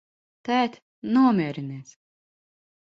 Tēt, nomierinies!